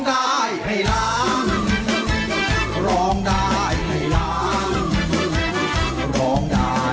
หล่น